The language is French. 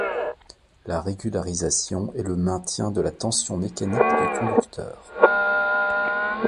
La régularisation est le maintien de la tension mécanique du conducteur.